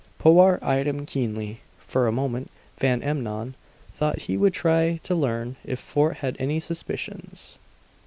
Powart eyed him keenly. For a moment Van Emmon thought he would try to learn if Fort had any suspicions.